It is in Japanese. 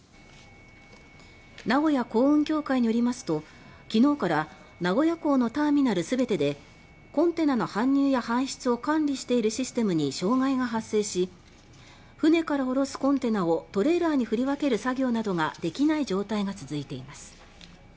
名古屋港運協会によりますと昨日から名古屋港のターミナル全てでコンテナの搬入や搬出を管理しているシステムに障害が発生し船から降ろすコンテナをトレーラーに振り分ける作業などができない状態が続いています。